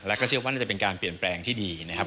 แล้วก็เชื่อว่าน่าจะเป็นการเปลี่ยนแปลงที่ดีนะครับ